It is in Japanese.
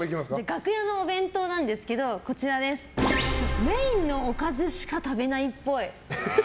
楽屋のお弁当なんですけどメインのおかずしか食べないっぽい。